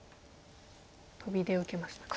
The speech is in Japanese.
トビで受けましたね。